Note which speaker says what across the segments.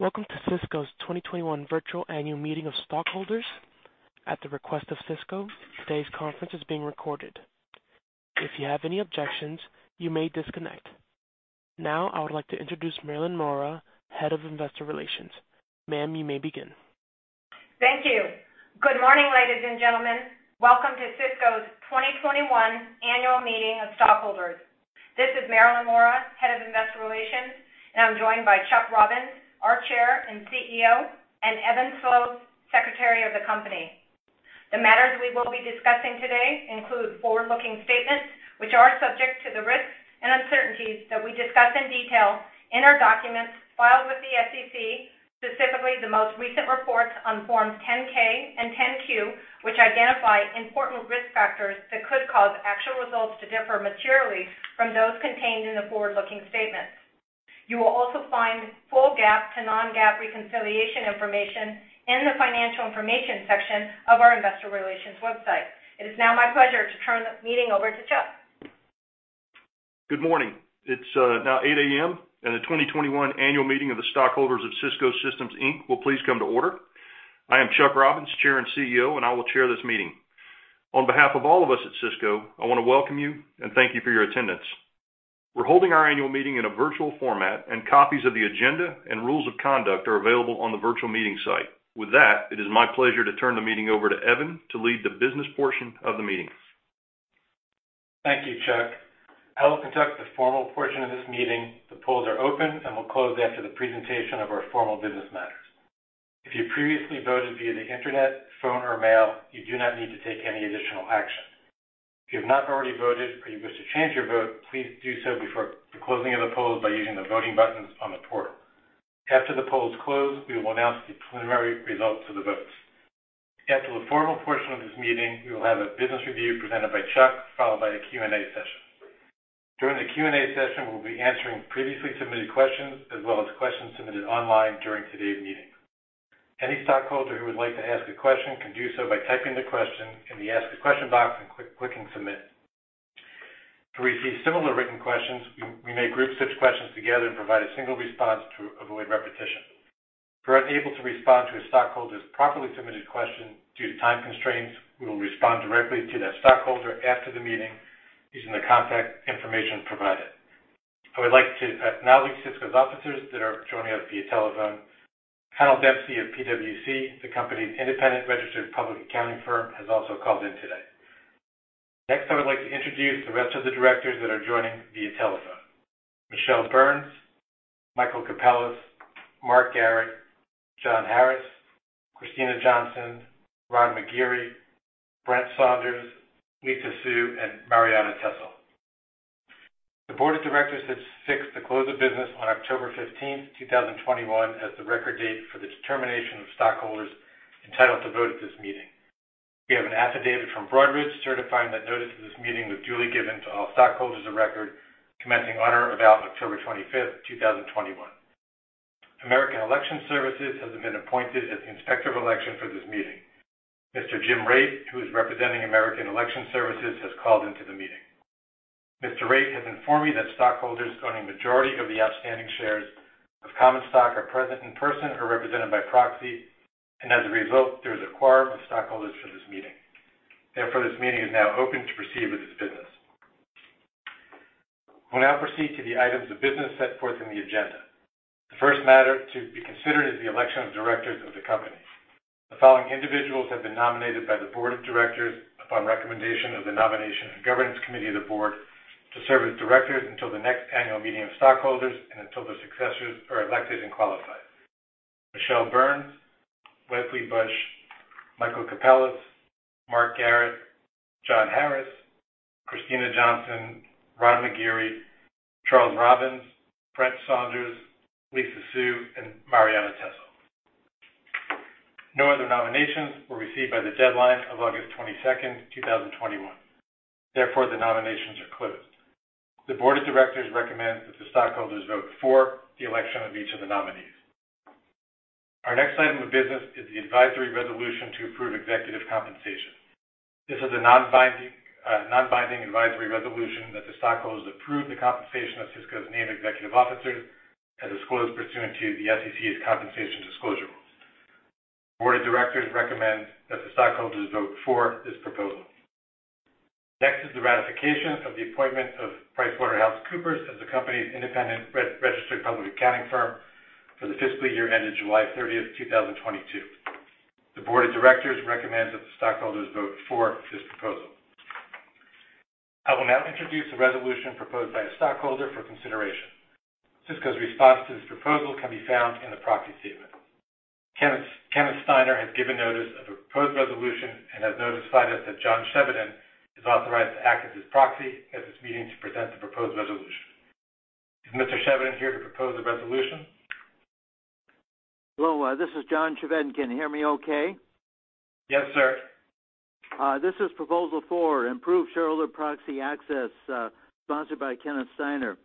Speaker 1: Welcome to Cisco's 2021 virtual annual meeting of stockholders. At the request of Cisco, today's conference is being recorded. If you have any objections, you may disconnect. Now I would like to introduce Marilyn Mora, Head of Investor Relations. Ma'am, you may begin.
Speaker 2: Thank you. Good morning, ladies and gentlemen. Welcome to Cisco's 2021 annual meeting of stockholders. This is Marilyn Mora, Head of Investor Relations, and I'm joined by Chuck Robbins, our Chair and CEO, and Evan Sloves, Secretary of the company. The matters we will be discussing today include forward-looking statements which are subject to the risks and uncertainties that we discuss in detail in our documents filed with the SEC, specifically the most recent reports on forms 10-K and 10-Q, which identify important risk factors that could cause actual results to differ materially from those contained in the forward-looking statements. You will also find full GAAP to non-GAAP reconciliation information in the financial information section of our investor relations website. It is now my pleasure to turn the meeting over to Chuck.
Speaker 3: Good morning. It's now 8:00 A.M., and the 2021 annual meeting of the stockholders of Cisco Systems, Inc. will please come to order. I am Chuck Robbins, Chair and CEO, and I will chair this meeting. On behalf of all of us at Cisco, I wanna welcome you and thank you for your attendance. We're holding our annual meeting in a virtual format, and copies of the agenda and rules of conduct are available on the virtual meeting site. With that, it is my pleasure to turn the meeting over to Evan to lead the business portion of the meeting.
Speaker 4: Thank you, Chuck. I will conduct the formal portion of this meeting. The polls are open and will close after the presentation of our formal business matters. If you previously voted via the Internet, phone or mail, you do not need to take any additional action. If you have not already voted or you wish to change your vote, please do so before the closing of the polls by using the voting buttons on the portal. After the polls close, we will announce the preliminary results of the votes. After the formal portion of this meeting, we will have a business review presented by Chuck, followed by a Q&A session. During the Q&A session, we'll be answering previously submitted questions as well as questions submitted online during today's meeting. Any stockholder who would like to ask a question can do so by typing the question in the Ask a Question box and clicking Submit. If we receive similar written questions, we may group such questions together and provide a single response to avoid repetition. If we're unable to respond to a stockholder's properly submitted question due to time constraints, we will respond directly to that stockholder after the meeting using the contact information provided. I would like to acknowledge Cisco's officers that are joining us via telephone. Conall Dempsey of PwC, the company's independent registered public accounting firm, has also called in today. Next, I would like to introduce the rest of the directors that are joining via telephone. Michele Burns, Michael Capellas, Mark Garrett, John Harris, Kristina Johnson, Rod McGeary, Brent Saunders, Lisa Su, and Marianna Tessel. The board of directors has fixed the close of business on October 15, 2021 as the record date for the determination of stockholders entitled to vote at this meeting. We have an affidavit from Broadridge certifying that notice of this meeting was duly given to all stockholders of record commencing on or about October 25, 2021. American Election Services has been appointed as the Inspector of Election for this meeting. Mr. Jim Raitt, who is representing American Election Services, has called into the meeting. Mr. Raitt has informed me that stockholders owning majority of the outstanding shares of common stock are present in person or represented by proxy, and as a result, there is a quorum of stockholders for this meeting. Therefore, this meeting is now open to proceed with its business. We'll now proceed to the items of business set forth in the agenda. The first matter to be considered is the election of directors of the company. The following individuals have been nominated by the board of directors upon recommendation of the Nomination and Governance Committee of the board to serve as directors until the next annual meeting of stockholders and until their successors are elected and qualified. Michele Burns, Wesley Bush, Michael Capellas, Mark Garrett, John Harris, Kristina Johnson, Rod McGeary, Charles Robbins, Brent Saunders, Lisa Su, and Marianna Tessel. No other nominations were received by the deadline of August 22, 2021. Therefore, the nominations are closed. The board of directors recommends that the stockholders vote for the election of each of the nominees. Our next item of business is the advisory resolution to approve executive compensation. This is a non-binding, non-binding advisory resolution that the stockholders approve the compensation of Cisco's named executive officers as disclosed pursuant to the SEC's compensation disclosure rules. The Board of Directors recommends that the stockholders vote for this proposal. Next is the ratification of the appointment of PricewaterhouseCoopers as the company's independent registered public accounting firm for the fiscal year ending July 30, 2022. The Board of Directors recommends that the stockholders vote for this proposal. I will now introduce a resolution proposed by a stockholder for consideration. Cisco's response to this proposal can be found in the proxy statement. Kenneth Steiner has given notice of a proposed resolution and has notified us that John Chevedden is authorized to act as his proxy at this meeting to present the proposed resolution. Is Mr. Chevedden here to propose the resolution?
Speaker 5: Hello, this is John Chevedden. Can you hear me okay?
Speaker 4: Yes, sir.
Speaker 5: This is Proposal 4, Improve Shareholder Proxy Access, sponsored by Kenneth Steiner.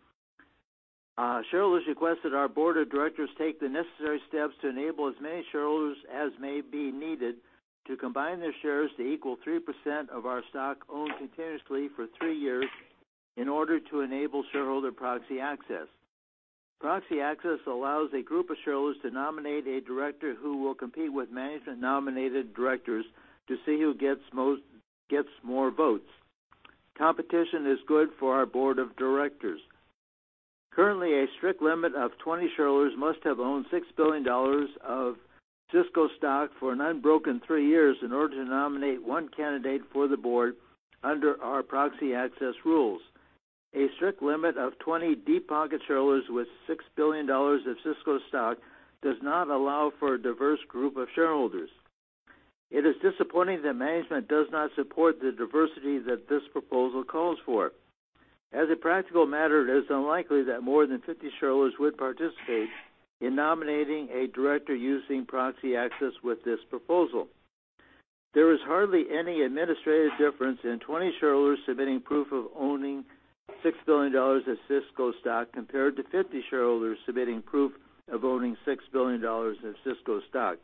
Speaker 5: Shareholders request that our board of directors take the necessary steps to enable as many shareholders as may be needed to combine their shares to equal 3% of our stock owned continuously for three years in order to enable shareholder proxy access. Proxy access allows a group of shareholders to nominate a director who will compete with management-nominated directors to see who gets more votes. Competition is good for our board of directors. Currently, a strict limit of 20 shareholders must have owned $6 billion of Cisco stock for an unbroken three years in order to nominate one candidate for the board under our proxy access rules. A strict limit of 20 deep-pocket shareholders with $6 billion of Cisco stock does not allow for a diverse group of shareholders. It is disappointing that management does not support the diversity that this proposal calls for. As a practical matter, it is unlikely that more than 50 shareholders would participate in nominating a director using proxy access with this proposal. There is hardly any administrative difference in 20 shareholders submitting proof of owning $6 billion of Cisco stock, compared to 50 shareholders submitting proof of owning $6 billion of Cisco stock.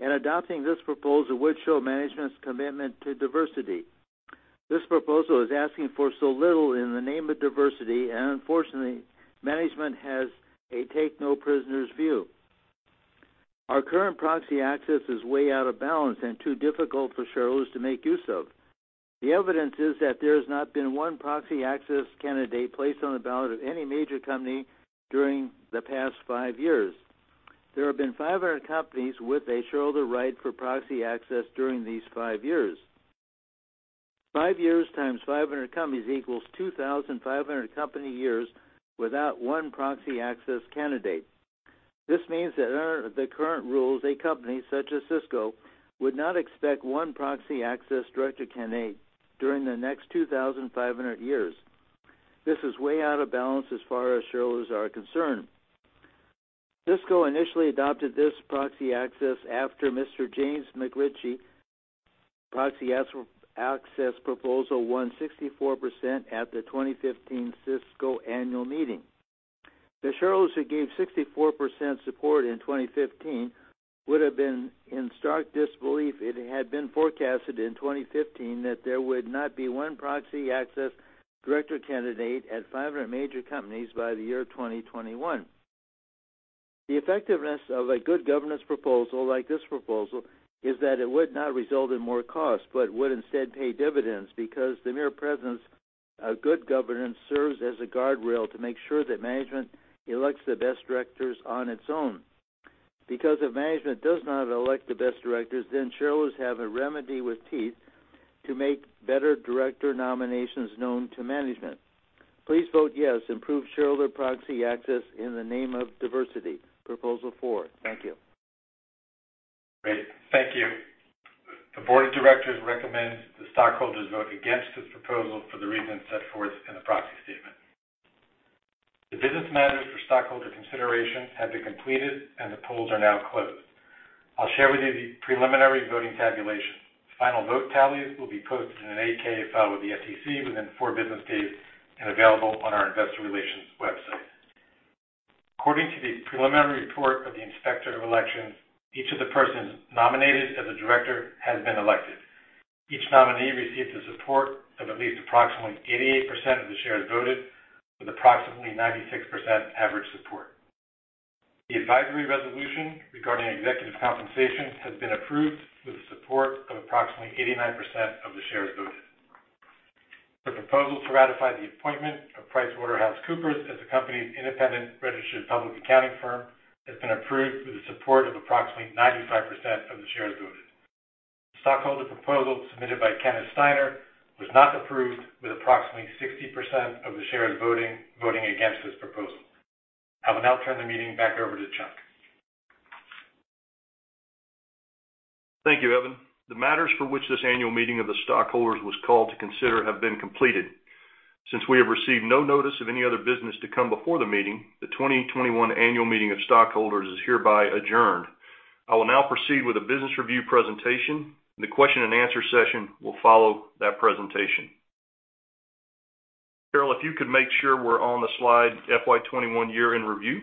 Speaker 5: Adopting this proposal would show management's commitment to diversity. This proposal is asking for so little in the name of diversity, and unfortunately, management has a take-no-prisoners view. Our current proxy access is way out of balance and too difficult for shareholders to make use of. The evidence is that there has not been 1 proxy access candidate placed on the ballot of any major company during the past 5 years. There have been 500 companies with a shareholder right for proxy access during these 5 years. 5 years times 500 companies equals 2,500 company years without one proxy access candidate. This means that under the current rules, a company such as Cisco would not expect one proxy access director candidate during the next 2,500 years. This is way out of balance as far as shareholders are concerned. Cisco initially adopted this proxy access after Mr. James McRitchie proxy access proposal won 64% at the 2015 Cisco annual meeting. The shareholders who gave 64% support in 2015 would have been in stark disbelief if it had been forecasted in 2015 that there would not be one proxy access director candidate at 500 major companies by the year 2021. The effectiveness of a good governance proposal like this proposal is that it would not result in more cost, but would instead pay dividends because the mere presence of good governance serves as a guardrail to make sure that management elects the best directors on its own. Because if management does not elect the best directors, then shareholders have a remedy with teeth to make better director nominations known to management. Please vote yes. Improve shareholder proxy access in the name of diversity. Proposal four. Thank you.
Speaker 4: Great. Thank you. The board of directors recommends the stockholders vote against this proposal for the reasons set forth in the proxy statement. The business matters for stockholder consideration have been completed and the polls are now closed. I'll share with you the preliminary voting tabulation. Final vote tallies will be posted in an 8-K file with the SEC within four business days and available on our investor relations website. According to the preliminary report of the Inspector of Elections, each of the persons nominated as a director has been elected. Each nominee received the support of at least approximately 88% of the shares voted with approximately 96% average support. The advisory resolution regarding executive compensation has been approved with the support of approximately 89% of the shares voted. The proposal to ratify the appointment of PricewaterhouseCoopers as the company's independent registered public accounting firm has been approved with the support of approximately 95% of the shares voted. The stockholder proposal submitted by Kenneth Steiner was not approved, with approximately 60% of the shares voting against this proposal. I will now turn the meeting back over to Chuck.
Speaker 3: Thank you, Evan. The matters for which this annual meeting of the stockholders was called to consider have been completed. Since we have received no notice of any other business to come before the meeting, the 2021 annual meeting of stockholders is hereby adjourned. I will now proceed with a business review presentation. The question and answer session will follow that presentation. Carol, if you could make sure we're on the slide FY 2021 year in review.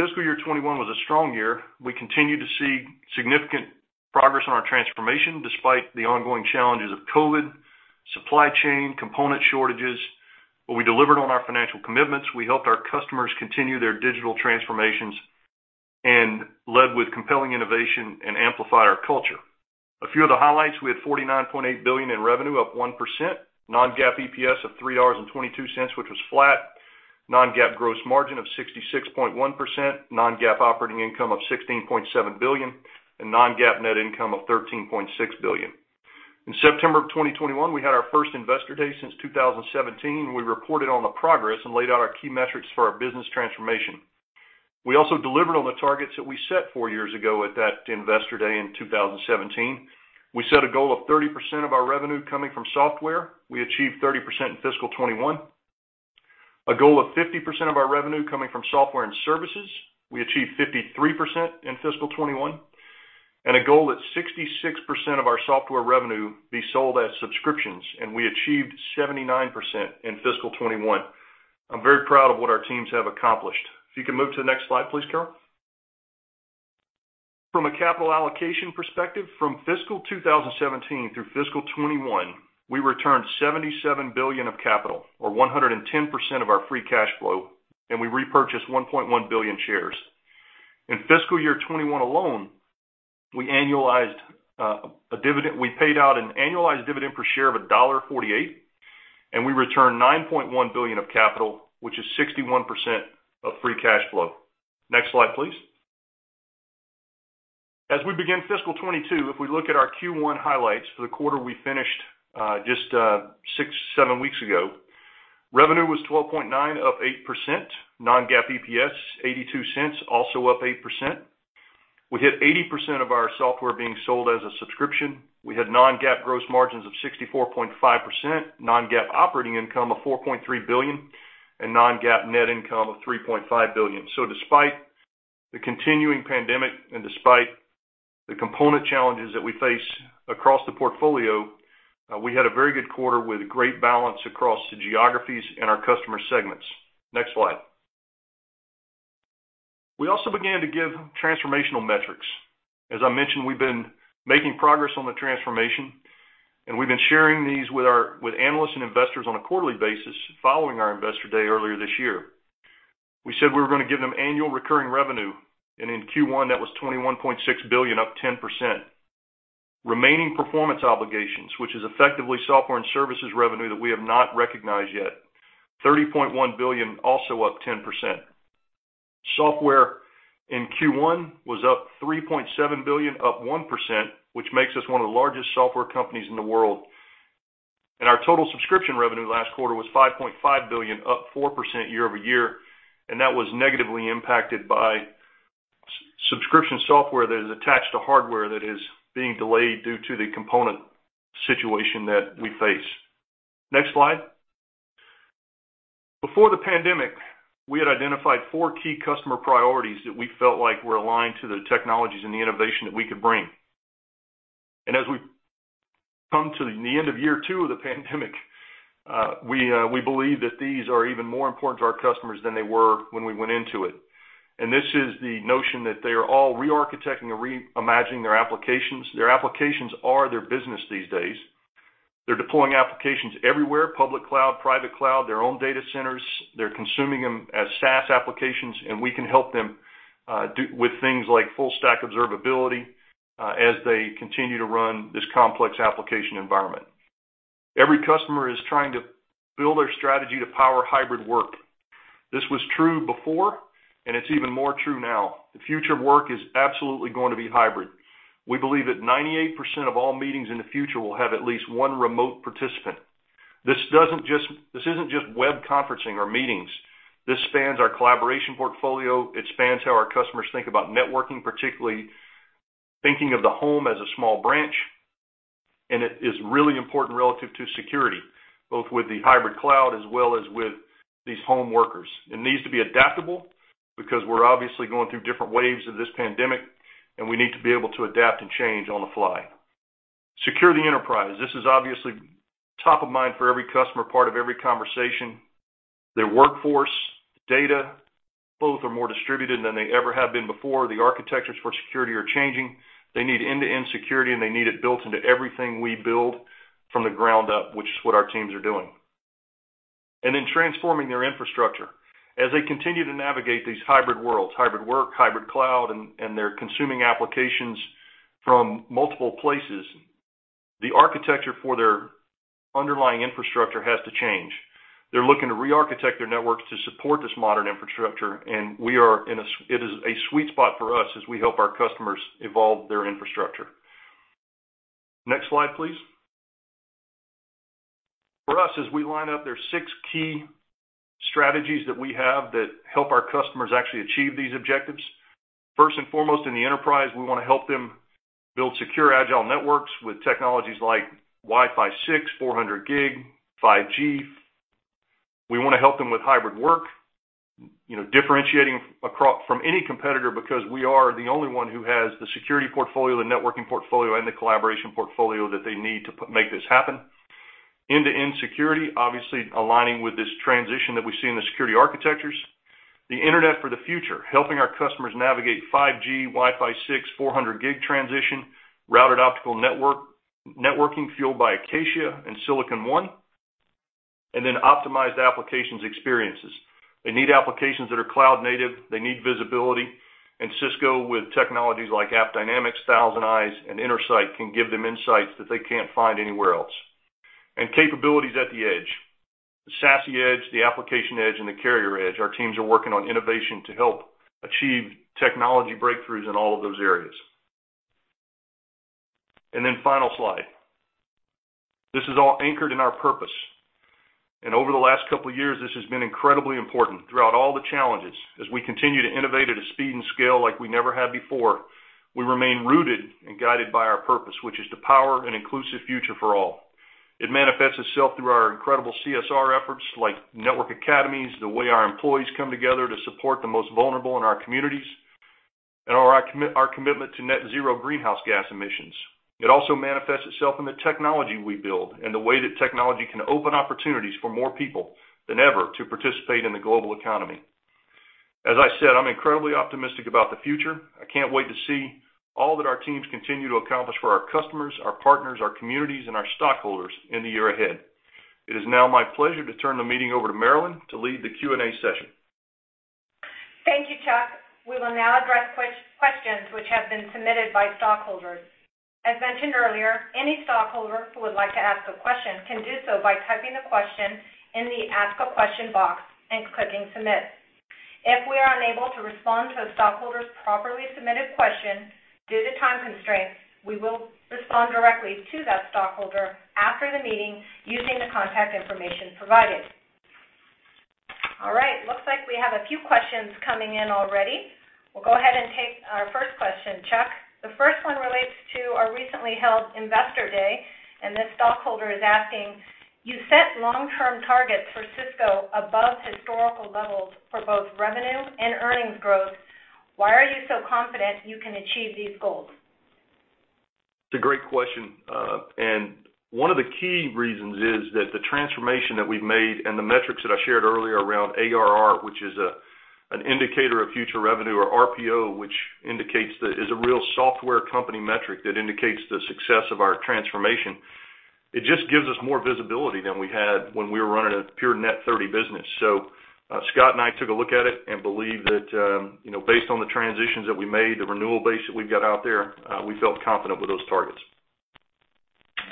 Speaker 3: Fiscal year 2021 was a strong year. We continue to see significant progress on our transformation despite the ongoing challenges of COVID supply chain component shortages. We delivered on our financial commitments. We helped our customers continue their digital transformations and led with compelling innovation and amplified our culture. A few of the highlights. We had $49.8 billion in revenue, up 1%. Non-GAAP EPS of $3.22, which was flat. Non-GAAP gross margin of 66.1%. Non-GAAP operating income of $16.7 billion, and non-GAAP net income of $13.6 billion. In September 2021, we had our first Investor Day since 2017, where we reported on the progress and laid out our key metrics for our business transformation. We also delivered on the targets that we set four years ago at that Investor Day in 2017. We set a goal of 30% of our revenue coming from software. We achieved 30% in fiscal 2021. A goal of 50% of our revenue coming from software and services. We achieved 53% in fiscal 2021. A goal that 66% of our software revenue be sold as subscriptions, and we achieved 79% in fiscal 2021. I'm very proud of what our teams have accomplished. If you can move to the next slide, please, Carol. From a capital allocation perspective, from fiscal 2017 through fiscal 2021, we returned $77 billion of capital or 110% of our free cash flow, and we repurchased 1.1 billion shares. In fiscal year 2021 alone, we annualized a dividend. We paid out an annualized dividend per share of $1.48, and we returned $9.1 billion of capital, which is 61% of free cash flow. Next slide, please. As we begin fiscal 2022, if we look at our Q1 highlights for the quarter we finished just 6-7 weeks ago, revenue was $12.9 billion, up 8%. Non-GAAP EPS $0.82, also up 8%. We hit 80% of our software being sold as a subscription. We had non-GAAP gross margins of 64.5%, non-GAAP operating income of $4.3 billion, and non-GAAP net income of $3.5 billion. Despite the continuing pandemic and despite the component challenges that we face across the portfolio, we had a very good quarter with great balance across the geographies and our customer segments. Next slide. We also began to give transformational metrics. As I mentioned, we've been making progress on the transformation, and we've been sharing these with our, with analysts and investors on a quarterly basis following our investor day earlier this year. We said we were gonna give them annual recurring revenue. In Q1, that was $21.6 billion, up 10%. Remaining performance obligations, which is effectively software and services revenue that we have not recognized yet, $30.1 billion, also up 10%. Software in Q1 was up $3.7 billion, up 1%, which makes us one of the largest software companies in the world. Our total subscription revenue last quarter was $5.5 billion, up 4% year-over-year, and that was negatively impacted by subscription software that is attached to hardware that is being delayed due to the component situation that we face. Next slide. Before the pandemic, we had identified four key customer priorities that we felt like were aligned to the technologies and the innovation that we could bring. As we come to the end of year two of the pandemic, we believe that these are even more important to our customers than they were when we went into it. This is the notion that they are all re-architecting or re-imagining their applications. Their applications are their business these days. They're deploying applications everywhere, public cloud, private cloud, their own data centers. They're consuming them as SaaS applications, and we can help them with things like Full-Stack Observability as they continue to run this complex application environment. Every customer is trying to build their strategy to power hybrid work. This was true before, and it's even more true now. The future of work is absolutely going to be hybrid. We believe that 98% of all meetings in the future will have at least one remote participant. This isn't just web conferencing or meetings. This spans our collaboration portfolio. It spans how our customers think about networking, particularly thinking of the home as a small branch. It is really important relative to security, both with the hybrid cloud as well as with these home workers. It needs to be adaptable because we're obviously going through different waves of this pandemic, and we need to be able to adapt and change on the fly. Secure the enterprise. This is obviously top of mind for every customer, part of every conversation. Their workforce, data, both are more distributed than they ever have been before. The architectures for security are changing. They need end-to-end security, and they need it built into everything we build from the ground up, which is what our teams are doing. Transforming their infrastructure. As they continue to navigate these hybrid worlds, hybrid work, hybrid cloud, and they're consuming applications from multiple places, the architecture for their underlying infrastructure has to change. They're looking to re-architect their networks to support this modern infrastructure, and it is a sweet spot for us as we help our customers evolve their infrastructure. Next slide, please. For us, as we line up, there's six key strategies that we have that help our customers actually achieve these objectives. First and foremost, in the enterprise, we wanna help them build secure agile networks with technologies like Wi-Fi 6, 400G, 5G. We wanna help them with hybrid work, you know, differentiating from any competitor because we are the only one who has the security portfolio, the networking portfolio, and the collaboration portfolio that they need to make this happen. End-to-end security, obviously aligning with this transition that we see in the security architectures. The internet for the future, helping our customers navigate 5G, Wi-Fi 6, 400G transition, Routed Optical Networking, networking fueled by Acacia and Silicon One, and then optimized applications experiences. They need applications that are cloud native. They need visibility. Cisco, with technologies like AppDynamics, ThousandEyes, and Intersight, can give them insights that they can't find anywhere else. Capabilities at the edge. The SASE edge, the application edge, and the carrier edge. Our teams are working on innovation to help achieve technology breakthroughs in all of those areas. Final slide. This is all anchored in our purpose. Over the last couple years, this has been incredibly important. Throughout all the challenges, as we continue to innovate at a speed and scale like we never had before, we remain rooted and guided by our purpose, which is to power an inclusive future for all. It manifests itself through our incredible CSR efforts like Networking Academy, the way our employees come together to support the most vulnerable in our communities, and our commitment to net zero greenhouse gas emissions. It also manifests itself in the technology we build and the way that technology can open opportunities for more people than ever to participate in the global economy. As I said, I'm incredibly optimistic about the future. I can't wait to see all that our teams continue to accomplish for our customers, our partners, our communities, and our stockholders in the year ahead. It is now my pleasure to turn the meeting over to Marilyn to lead the Q&A session.
Speaker 2: Thank you, Chuck. We will now address questions which have been submitted by stockholders. As mentioned earlier, any stockholder who would like to ask a question can do so by typing a question in the Ask a Question box and clicking Submit. If we are unable to respond to a stockholder's properly submitted question due to time constraints, we will respond directly to that stockholder after the meeting using the contact information provided. All right. Looks like we have a few questions coming in already. We'll go ahead and take our first question, Chuck. The first one relates to our recently held Investor Day, and this stockholder is asking: You set long-term targets for Cisco above historical levels for both revenue and earnings growth. Why are you so confident you can achieve these goals?
Speaker 3: It's a great question. One of the key reasons is that the transformation that we've made and the metrics that I shared earlier around ARR, which is an indicator of future revenue, or RPO, which is a real software company metric that indicates the success of our transformation. It just gives us more visibility than we had when we were running a pure net 30 business. Scott and I took a look at it and believe that, based on the transitions that we made, the renewal base that we've got out there, we felt confident with those targets.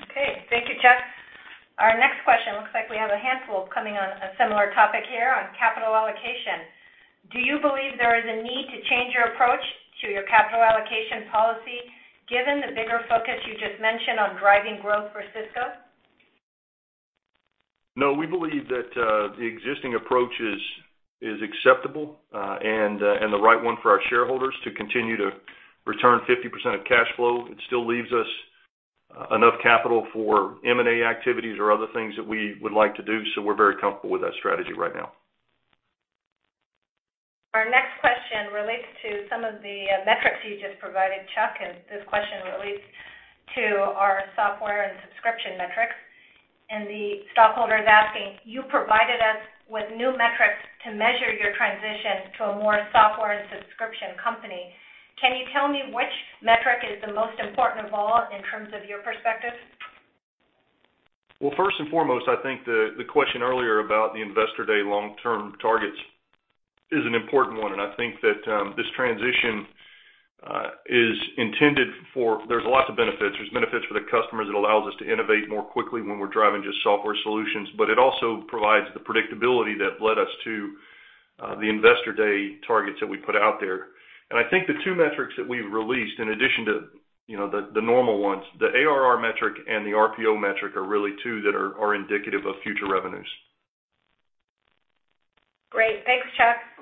Speaker 2: Okay. Thank you, Chuck. Our next question, looks like we have a handful coming on a similar topic here on capital allocation. Do you believe there is a need to change your approach to your capital allocation policy, given the bigger focus you just mentioned on driving growth for Cisco?
Speaker 3: No. We believe that the existing approach is acceptable and the right one for our shareholders to continue to return 50% of cash flow. It still leaves us enough capital for M&A activities or other things that we would like to do, so we're very comfortable with that strategy right now.
Speaker 2: Our next question relates to some of the metrics you just provided, Chuck, and this question relates to our software and subscription metrics. The stockholder is asking: You provided us with new metrics to measure your transition to a more software and subscription company. Can you tell me which metric is the most important of all in terms of your perspective?
Speaker 3: Well, first and foremost, I think the question earlier about the Investor Day long-term targets is an important one, and I think that this transition. There's lots of benefits. There's benefits for the customers. It allows us to innovate more quickly when we're driving just software solutions, but it also provides the predictability that led us to the Investor Day targets that we put out there. I think the two metrics that we've released, in addition to, you know, the normal ones, the ARR metric and the RPO metric are really two that are indicative of future revenues.
Speaker 2: Great. Thanks, Chuck.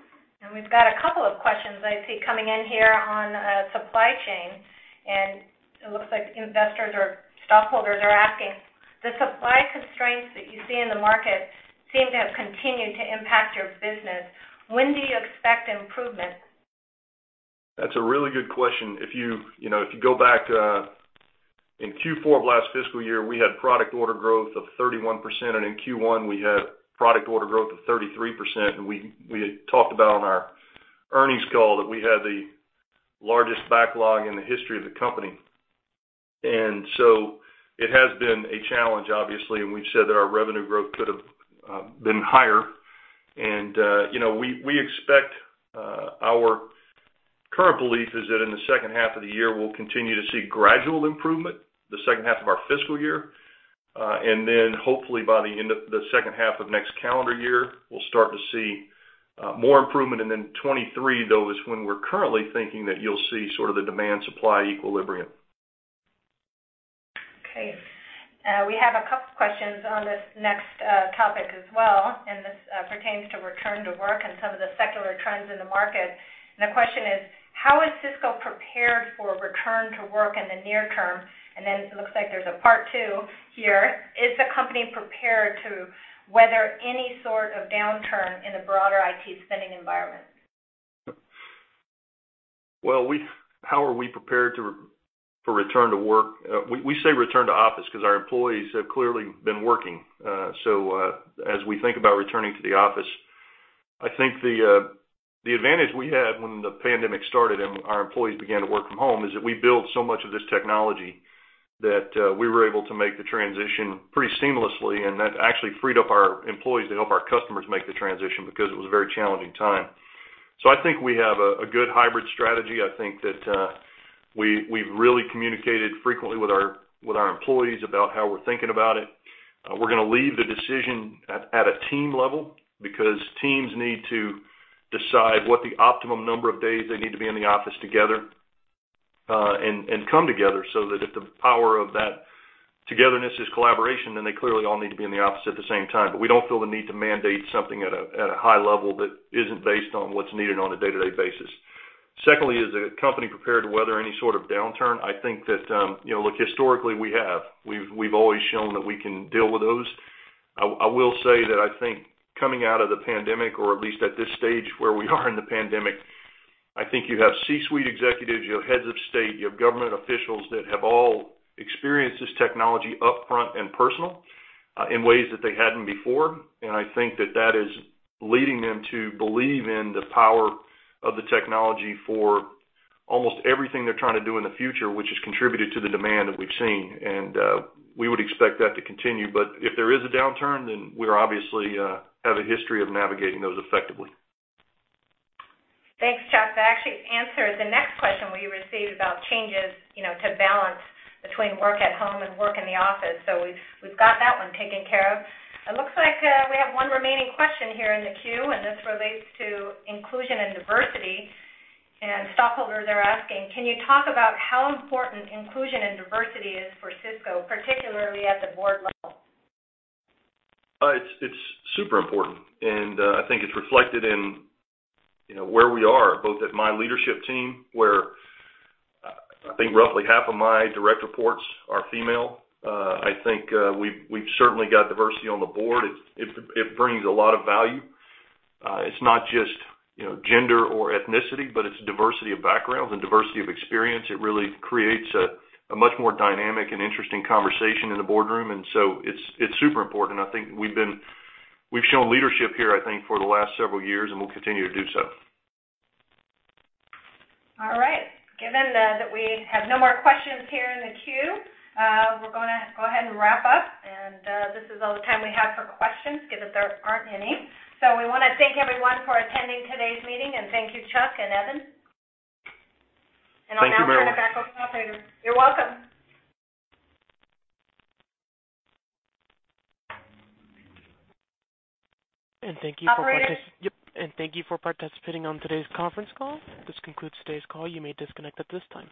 Speaker 2: We've got a couple of questions I see coming in here on supply chain, and it looks like investors or stockholders are asking: The supply constraints that you see in the market seem to have continued to impact your business. When do you expect improvement?
Speaker 3: That's a really good question. If you know, if you go back to in Q4 of last fiscal year, we had product order growth of 31%, and in Q1 we had product order growth of 33%. We had talked about on our earnings call that we had the largest backlog in the history of the company. It has been a challenge, obviously, and we've said that our revenue growth could have been higher. You know, we expect our current belief is that in the second half of the year, we'll continue to see gradual improvement, the second half of our fiscal year. Then hopefully by the end of the second half of next calendar year, we'll start to see more improvement. 2023, though, is when we're currently thinking that you'll see sort of the demand-supply equilibrium.
Speaker 2: Okay. We have a couple questions on this next topic as well, and this pertains to return to work and some of the secular trends in the market. The question is: How is Cisco prepared for return to work in the near term? Then it looks like there's a part two here: Is the company prepared to weather any sort of downturn in the broader IT spending environment?
Speaker 3: How are we prepared for return to work? We say return to office 'cause our employees have clearly been working. As we think about returning to the office, I think the advantage we had when the pandemic started and our employees began to work from home is that we build so much of this technology that we were able to make the transition pretty seamlessly, and that actually freed up our employees to help our customers make the transition because it was a very challenging time. I think we have a good hybrid strategy. I think that we've really communicated frequently with our employees about how we're thinking about it. We're gonna leave the decision at a team level because teams need to decide what the optimum number of days they need to be in the office together, and come together so that if the power of that togetherness is collaboration, then they clearly all need to be in the office at the same time. We don't feel the need to mandate something at a high level that isn't based on what's needed on a day-to-day basis. Secondly, is the company prepared to weather any sort of downturn? I think that, you know, look, historically, we have. We've always shown that we can deal with those. I will say that I think coming out of the pandemic, or at least at this stage where we are in the pandemic, I think you have C-suite executives, you have heads of state, you have government officials that have all experienced this technology up front and personal in ways that they hadn't before. I think that is leading them to believe in the power of the technology for almost everything they're trying to do in the future, which has contributed to the demand that we've seen. We would expect that to continue. If there is a downturn, then we obviously have a history of navigating those effectively.
Speaker 2: Thanks, Chuck. That actually answers the next question we received about changes, you know, to balance between work at home and work in the office. We've got that one taken care of. It looks like, we have one remaining question here in the queue, and this relates to inclusion and diversity. Stockholders are asking, can you talk about how important inclusion and diversity is for Cisco, particularly at the board level?
Speaker 3: It's super important, and I think it's reflected in, you know, where we are, both at my leadership team, where I think roughly half of my direct reports are female. I think we've certainly got diversity on the board. It brings a lot of value. It's not just, you know, gender or ethnicity, but it's diversity of backgrounds and diversity of experience. It really creates a much more dynamic and interesting conversation in the boardroom, and so it's super important. I think we've shown leadership here, I think, for the last several years, and we'll continue to do so.
Speaker 2: All right. Given that we have no more questions here in the queue, we're gonna go ahead and wrap up. This is all the time we have for questions, given there aren't any. We wanna thank everyone for attending today's meeting, and thank you, Chuck and Evan.
Speaker 3: Thank you very much.
Speaker 2: I'll now turn it back over to operator. You're welcome.
Speaker 1: Thank you.
Speaker 2: Operator.
Speaker 1: Yep, thank you for participating on today's conference call. This concludes today's call. You may disconnect at this time.